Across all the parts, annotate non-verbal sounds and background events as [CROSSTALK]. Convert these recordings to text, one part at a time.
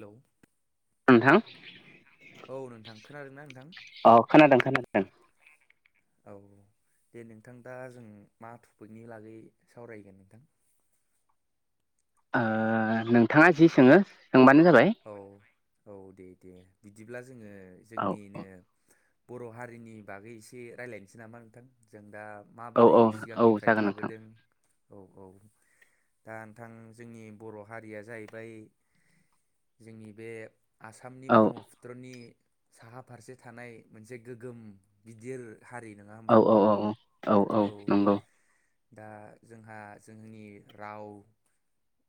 Hello. नोंथां। औ नोंथां खोनादोंना नोंथां? औ खोनादों खोनादों। औ दे नोंथां दा जों मा टपिकनि लागै सावरायगोन नोंथ ओ नोंथाङा जि सोङो सोंबानो जाबाय औ औ दे दे। बिदिब्ला जोङो औ जोंनिनो बर' हारिनि बागै एसे रायज्लायनोसै नामा नोंथां जों दा औ माबोरै औ औ सिगांनिफ्राय जागोन नोंथां थाबोदों औ औ दा नोंथां जोंनि बर' हारिया जाहैबाय जोंनि बे आसामनि औ ब्रह्मपुत्रनि साहा फारसे थानाय मोनसे गोगोम गिदिर हारि नङा औ होमबा औ नोंथां औ औ औ नंगौ। दा जोंहा जोंनि राव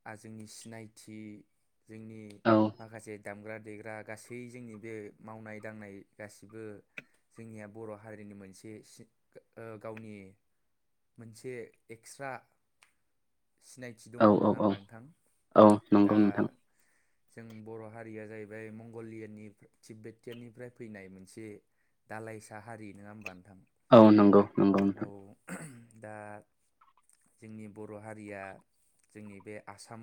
आरो जोंनि सिनायथि जोंनि औ माखासे दामग्रा देग्रा गासै जोंनि बे मावनाय दांनाय गासिबो जोंनिया बर' हारिनि मोनसे सि ओ गावनि मोनसे एक्सट्रा सिनायथि दङ' औ औ नङा औ होमबा नोंथां? औ दा नंगौ नोंथां। जों बर' हारिया जाहैबाय मंगलियानि तिबेतियाननिफ्राय फैनाय मोनसे दालाइसा हारि नङा होमबा? नोंथां औ नंगौ नंगौ औ नोंथां। दा जोंनि बर' हारिया जोंनि बे आसाम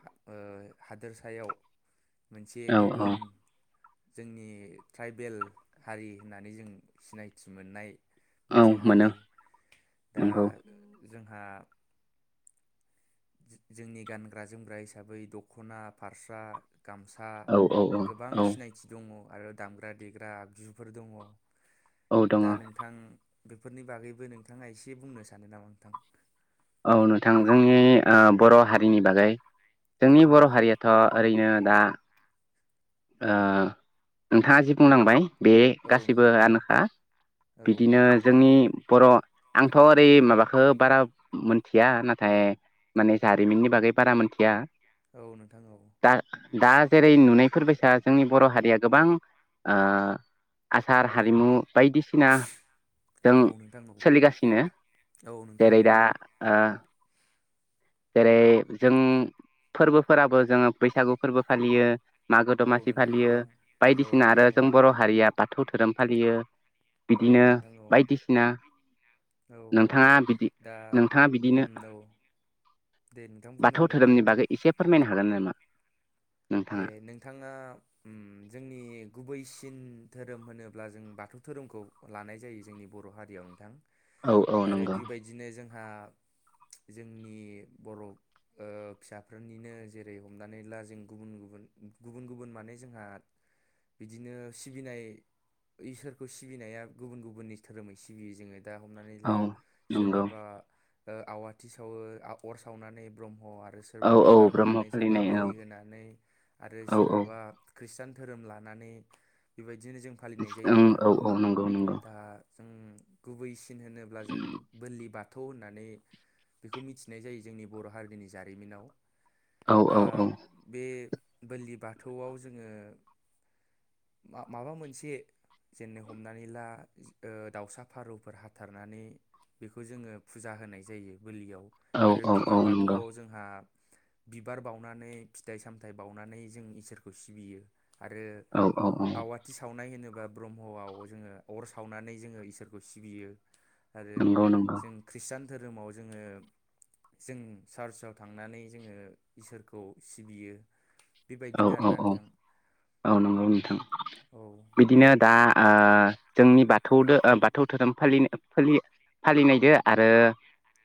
हा ओ हादोरसायाव मोनसे औ औ गोगोम जोंनि ट्राइबेल हारि होननानै जों सिनायथि मोननाय औ मोनसे मोनो हारि। दा नंगौ जोंहा जोंनि गानग्रा जोमग्रा हिसाबै दखना फास्रा गामसा औ औ औ गोबां औ सिनायथि दङ। आरो दामग्रा देग्रा आगजुफोर दङ। औ दङ दा नोंथां बेफोरनि बागैबो नोंथाङा एसे बुंनो सानो नामा नोंथां? औ नोंथां जोंनि ओ बर' हारिनि बागै जोंनि बर' उम हारियाथ' ओरैनो दा ओ नोंथाङा जि औ बुंलांबाय बे औ नोंथां औ गासैबोआनोखा औ बिदिनो नोंथां औ जोंनि बर' आंथ' ओरै माबाखो बारा मोनथिया नाथाय माने जारिमिननि बागै बारा मोनथिया औ नोंथां औ। दा दा जेरै नुनायफोर बाय दा जोंनि बर' हारिया गोबां ओ आसार हारिमु बायदिसिना जों औ नोंथां औ सोलिगासिनो औ नोंथां जेरै औ दा ओ जेरै जों फोरबोफोराबो जोङो बैसागु फोरबो फालियो, मागो औ दमासि नोंथां औ फालियो, औ बायदिसिना नोंथां आरो औ जों बर' हारि बाद थौ धोरोम फालियो औ बिदिनो नोंथां औ बायदिसिना औ औ नोंथाङा बिदि दा नोंथाङा उम बिदिनो औ दे नोंथां बुंनो बाथौ हागोन दे धोरोमनि बागै एसे फोर मायनो हागोन नामा? ए नोंथाङा? नोंथाङा उम जोंनि गुबैसिन धोरोम होनोब्ला जों बाथौ धोरोमखौ लानाय जायो जोंनि बर' हारियाव नोंथां। औ औ आरो नंगौ। बिबायदिनो जों आ जोंनि बर' ओ फिसाफोरनिनो जेरै हमनानै ला जों गुबुन गुबुन गुबुन गुबुन माने जोंहा बिदिनो सिबिनाय इसोरखौ सिबिनाया गुबुन गुबुननि धोरोमै सिबियो जोङो। दा हमनानै औ ला नंगौ सोरबाबा ओ आवाथि सावो आ अर सावनानै ब्रम ह आरो औ सोरबा औ बिबार ब्रह्म होनानै सोरबा फालिनाय औ बोलि होना नै आरो औ औ सोरहाबा खृस्टान धोरोम लानानै बेबाय दिनो जों फालिनाय जायो ओं नोंथां। औ औ नंगौ नंगौ दा जों गुबैसि होनोब्ला जों बोलि बाथ थौ होननानै बेखौ मिथिनाय जायो जोंनि बर' हारिनि जारिमिनाव। औ दा औ औ बे बोलि बाथौआव जोङो मा माबा मोनसे जेननो हमनानै ला दाउसा फारौफोर हाथारनानै बेखौ जोङो फुजा होनाय जायो। बोलियाव औ आरो औ औ बिबार नंगौ बाथौआव जोंहा बिबार बावनानै फिथाइ सामथायाइ बावनानै जों इसोरखौ सिबियो। आरो औ औ औ आवाथि सावनाय मानो होनोबा ब्रह्मआव जोङो अर सावनानै जोङो इसोरखौ सिबियो। आरो नंगौ नंगौ जों खृष्टान धोरोमाव जोङो जों सार्चआव थांनानै जोङो इसोरखौ सिबियो। औ बेबायदिनो औ आरोना औ नोंथां। औ नंगौ नोंथां औ बिदिनो दा ओ जोंनि बाथौ दो ओ बाथौ धोरोमाफालि फो फालिनायदो आरो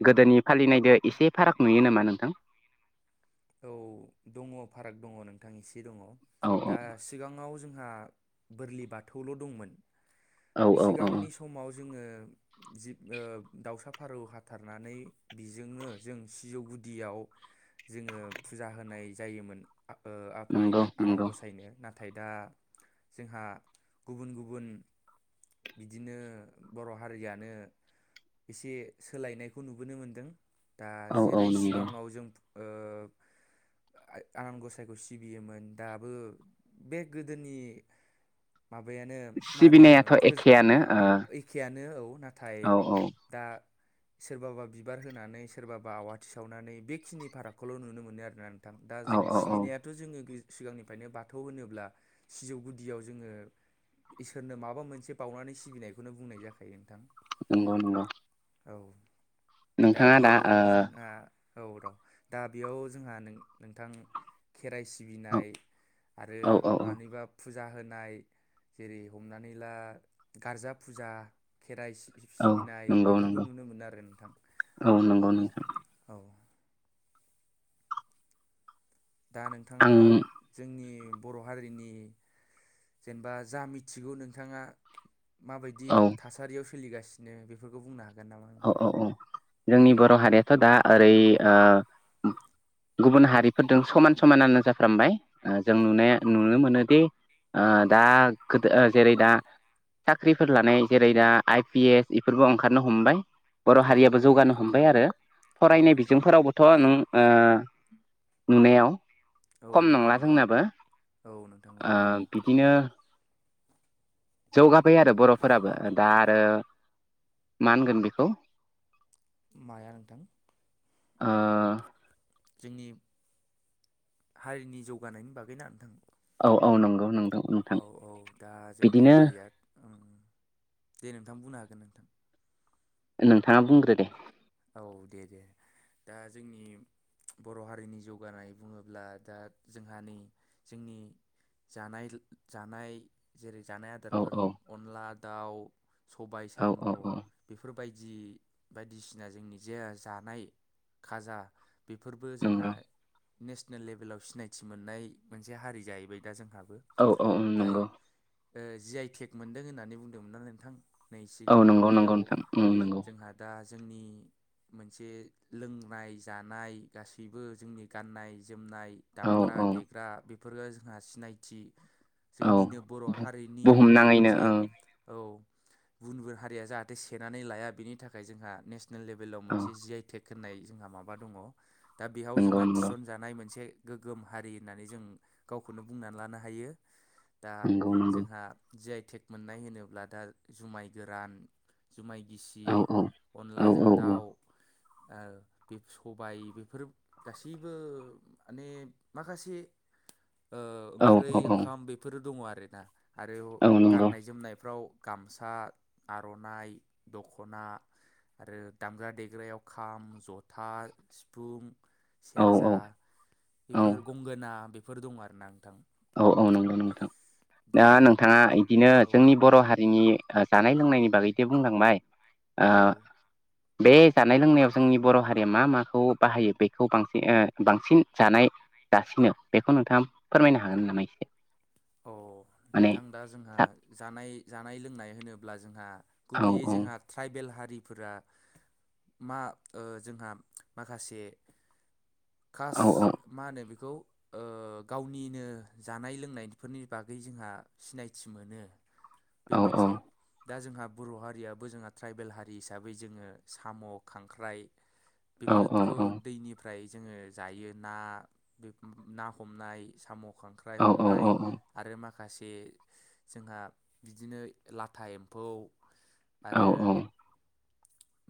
गोदोनि फालिनायदो एसे फाराग नुयो नामा नोंथां औ दङ' फाराग दङ' नोंथां इसे दङ' औ औ दा सिगाङाव जों जोंहा बोरलि बाथौल' दंमोन। औ औ औ सिगांनि समाव ज जोङो जिब ओ दाउसा फारौ हाथारनानै बिजोंनो जों सिजौ गुदियाव जोङो फुजा होनाय जायोमोन। आ ओ नंगौ आफायिनो आनान नंगौ गसायनो न नाथाय दा जोंहा गुबुन-गुबुन बिदिनो बर' हारियानो एसे सोलायनायखौ नुबोनो मोनदों‌। दा औ औ जेरै नंगौ सिगाङाव जों ओ आनान गसाइखौ सिबियोमोन दाबो बे गोदोनि माबायानो मा होनो सिबिनायाथ' एखेयानो ओ एखेआनो औ नाथाय औ दा सोरबाबा बिबार होनानै सोरबाबा आवाथि सावनानै बेखिनि फारागखौल' नुनो मोनो आरोना थां दा औ जों औ औ सिबिनायाथ' जोङो सिगांनिफ्रायनो बाथौ होनोब्ला सिजौ गुदियाव जोङो इसोरनो माबा मोनसे बावनानै सिबिनायखौनो बुंनाय जाखायो नोंथां। नोंगौ-नोंगौ औ दा बेयाव जोंहा औ र' दा बेयाव जोंहा नों नोंथां खेराइ ओ सिबिनाय आरो औ औ औ मानिबा फुजा होनाय जेरै हमनानै ला गार्जा फुजा खेराइ सिब औ सिबिनाय नंगौ बेफोरखौ नंगौ नुनो मोनो आरो नोंथां औ नंगौ नोंथां औ। दा नोंथाङा आं जोंनि बर' हारिनि जेनबा जा मिथिगौ नोंथाङा माबायदि औ थासारियाव सोलिगासिनो बेफोरखौ बुंना हा गोन नामा औ नोंथां? औ जोंनि बर' हारियाथ' दा ओरै ओ गुबुन हारिफोरजों समान समानानो जाफ्रामबाय ओ जों नुनाया नुनो मोनोदि ओ दा गोदो ओ जेरै दा साख्रिफोर लानाय जेरै दा आइ पि एस इफोरबो ओंखारनो हमबाय बर' औ हारियाबो औ जौगानो नोंथां औ हमबाय आरो औ फरायनाय नोंथां औ बिजोंफोरावबोथ' नों ओ नुनायाव औ खम नोंथां नंला औ जोंनाबो औ नोंथां औ ओ औ बिदिनो जौगाबाय आरो बर'फोराबो ओ दा आरो मा होनगोन बिखौ माया नोंथां? ओ जोंनि हारिनि जौगानायनि बागैना नोंथां? अ' नंगौ नोंथां। औ औ दा जोंनि बिदिनो हारिया उम दे नोंथां बुंनो हागोन नोंथां। नोंथाङा बुंग्रो दे। औ दे दे दा जोंनि बर' हारिनि जौगानाय बुङोब्ला दा जोंहानि जोंनि जानाय जानाय जेरै जानाय औ आदारफोर औ अनला दाउ सबाय औ साम' औ औ बेफोर बायदि बायदिसि ना जोंनि जेया जानाय खाजा बेफोरबो जोंहा नंगौ नेसनेल लेभेलाव सिनायथि मोननाय मोनसे हारि जाहैबाय दा जोंहा औ औ उम नंगौ। ओ जि आइ टेग मोनदों होननानै बुंदोंमोनना नोंथां? नै औ सिगां नंगौ नंगौ थांनायाव नोंथां उम नंगौ जोंहा दा जोंनि मोनसे लोंनाय जानाय गासिबो जोंनि गाननाय [UNINTELLIGIBLE] जोमनाय औ दामग्रा- औ देग्रा बे [UNINTELLIGIBLE] जोंहा सिनायथि औ जोंनिनो बर' हारिनि बुहुम होननाय नाङैनो मोनसे औ औ गुबुन -गुबुन हारिया जाहाथे सेनानै लाया बेनि थाखाय जोंहा नेसनेल लेभेलाव औ मोनसे जि आइ टेग होननाय जोंहा माबा दङ। दा बेयाव नंगौ जोंहा नंगौ थिसनजानाय मोनसे गोगोम हारि होननानै जों गावखौनो बुंनानै लानो हायो। दा नंगौ नंगौ जोंहा जि आइ टेक मोननाय होनोब्ला दा जुमाय गोरान जुमाय गिसि औ औ औ अनलाजों दाउ बे सबाय बेफोर गासैबो माने माखासे औ ओंख्रै, औ ओंखाम बेफोरो दङ आरो बे दा आरो औ नंगौ गाननाय -जोमनायफ्राव गामसा, आर'नाइ, दख'ना आरो दामग्रा -देग्रायाव खाम, जथा, सिफुं औ औ सेरजा औ बेफोर गंगोना बे बेफोर दङ आरो ना नोंथां। औ औ नंगौ नंगौ नोंथां। दा नोंथाङा इदिनो औ जोंनि बर' हारिनि जानाय -लोंनायनि बागै जे बुंलांबाय ओ औ। बे जानाय -लोंनायाव जोंनि बर' हारिया मा माखौ बाहायो बेखौ बांसिन ओ बांसिन जानाय जासिनो बेखौ नोंथाङा फोरमायनो हागोन हागोन नामा एसे अ माने नोंथां दा जोंहा जानाय -जानाय लोंनाय होनो जोंहा औ गुबैयै जोंहा ट्राइबेल हारि हारिफोरा मा ओ जोंहा माखासे खास औ मा होनो बेखौ गावनिनो जानाय -लोंनायनि बेफोरनि बागै जोंहा सिनायथि मोनो। बे औ औ मोनसे दा जोंहा बर' हारियाबो जोंहा ट्राइबेल हारि हिसाबै जोङो साम' खांख्राइ औ बेफोरखौ औ औ दैनिफ फ्राय जोङो जायो ना बे ना हमनाय साम' खांख्राइ हमनाय औ आरो माखासे जोंहा बिदिनो लाथा एम्फौ औ आरो औ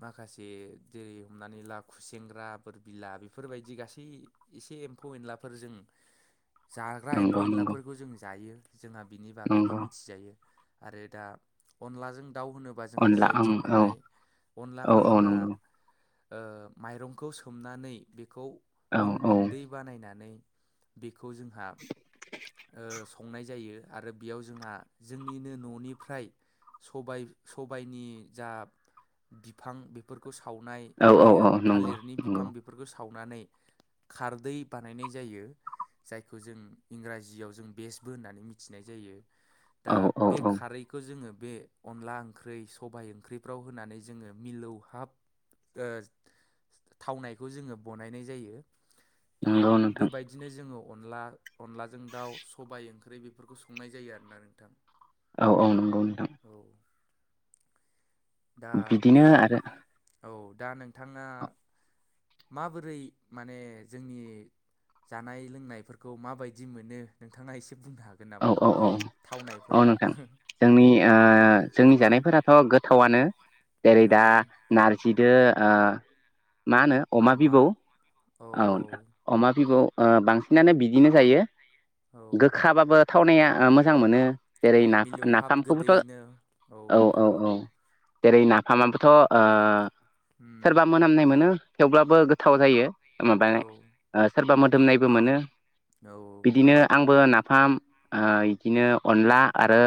माखासे जेरै हमनानै ला खुसेेंग्रा बोर बिला बेफोरबायदि गासै एसे एम्फौ एनलाफोरजों जाग्रा नंगौ एम्फौ नंगौ एनलाफोरखौ जों जायो जोंहा बिनि बागैबो नंगौ मिथिजायो आरो दा अनलाजों दाउ होनोबा जोंहा जि अनला आइ ओं थेक औ मोननाय अनलाखौ औ औ जोंहा नंगौ ओ माइरंखौ सोमनानै बेखौ औ अन गुन्दै बानायनानै बेखौ जोंहा ओ संनाय जायो आरो बेयाव जोंहा जोंनिनो न'निफ्राय सबाय सबायनि जा बिफां बेफोरखौ स सावनाय औ औ थालिर औ नंगौ थालिरनि नंगौ बिफां बेफोरखौ सावनानै खारदै बानायनाय जायो जायखौ जों इंराजियाव जों बेस बो होननानै मिथिनाय जायो दा औ औ बे औ खारैखौ जोङो बे अनला ओंख्रै सबाइ ओंख्रैफ्राव होनानै जोङो मिलौहाब ओ थावनायखौ जोङो बनायनाय जायो दा नंगौ नोंथां बेबायदिनो जोङो अनला अनलाजों दाउ सबाइ ओंख्रै बेफोरखौ संनाय जायो आरोना नोंथां औ औ नंगौ नोंथां औ दा बिदिनो आरो औ दा नोंथाङा माबोरै माने जोंनि जानाय लोंनायफोरखौ माबायदि मोनो नोंथाङा एसे बुंनो हागोन औ नामा औ औ औ थावनायफोरा नोंथां जोंनिआ जोंनि जानायफोराथ' गो थावानो जेरै औ दा नारजिदो ओ मा होनो अमा बिबौ औ औ नोंथां अमा औ बांसिनानो बिदिनो जायो। गोखाबाबो थावनाया ओ मोजां मोनो। जेरै औ नाफा मिलौ हाब नाफामखौबोथ' गोदैयैनो औ नोंथां औ। जेरै नाफामाबोथ' ओ उम सोरबा मोनामनाय मोनो। थेवब्लाबो गोथाव जायो। माबा औ ओ सोरबा मो मोदोमनायबो मोनो। बिदिनो आंबो नाफ फाम ओ बिदिनो अनला आरो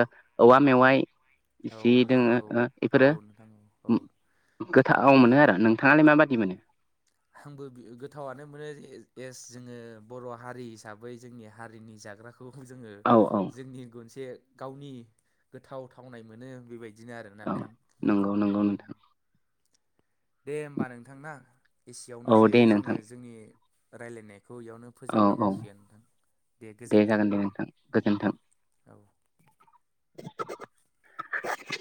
औवा मेवाइ। औ जि नोंथां दोङो औ ओ औ नोंथां औ। थाव मोनो आरो नोंथाङालाय माबादि मोनो? आंबो गोथावआनो मोनो एस जोङो बर' हारि हिसाबै जोंनि हारिनि जाग्राखौ खौ जोङो औ औ जोंनि गनसे गावनि गोथाव थावनाय मोनो बेबाय औ नंगौ नंगौ नोंथां। दे होमबा नोंथांना। एसेवनो औ जे दे जोङो नोंथां जोंनि रायलायनाय। खौ इयावनो औ फोजोबनाय औ जासिगोन नोंथां दे गोजोन्थों जागोन दे नोंथां गोजोन्थों औ। [UNINTELLIGIBLE]